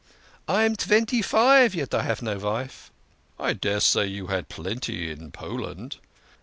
" I am twenty five yet I have no vife." "I daresay you had plenty in Poland."